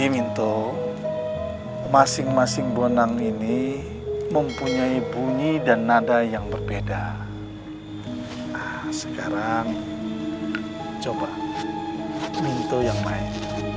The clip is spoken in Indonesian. minto masing masing bonang ini mempunyai bunyi dan nada yang berbeda sekarang coba minto yang main